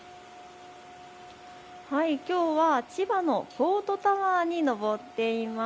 きょうは千葉のポートタワーに上っています。